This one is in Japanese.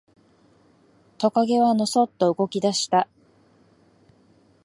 トカゲはのそっと動き出した。